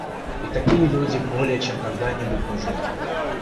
И такие люди более чем когда-нибудь, нужны.